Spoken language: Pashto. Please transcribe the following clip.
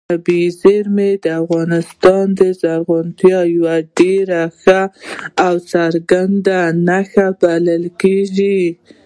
طبیعي زیرمې د افغانستان د زرغونتیا یوه ډېره ښه او څرګنده نښه بلل کېږي.